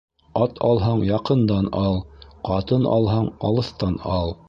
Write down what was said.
Ат алһаң, яҡындан ал; ҡатын алһаң, алыҫтан ал.